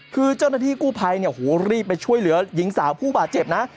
คือเจ้าหน้าที่กู้ภัยรีบไปช่วยเหลือหญิงสาวผู้บาดเจ็บนะ